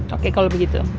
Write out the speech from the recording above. oke kalau begitu